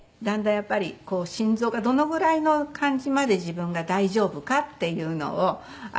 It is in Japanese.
やっぱり心臓がどのぐらいの感じまで自分が大丈夫かっていうのを。